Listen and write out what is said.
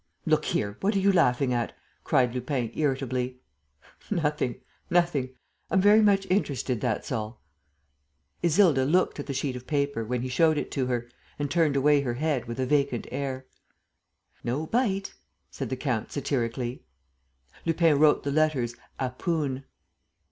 "Look here, what are you laughing at?" cried Lupin, irritably. "Nothing ... nothing. ... I'm very much interested, that's all. ..." Isilda looked at the sheet of paper, when he showed it to her, and turned away her head, with a vacant air. "No bite!" said the count, satirically. Lupin wrote the letters "APOON."